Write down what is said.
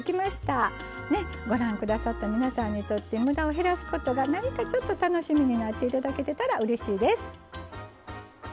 ねっご覧下さった皆さんにとってムダを減らすことが何かちょっと楽しみになって頂けてたらうれしいです。